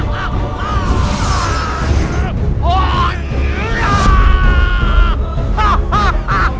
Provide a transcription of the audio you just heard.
bawakan bunga bidadari ke kota pakmusti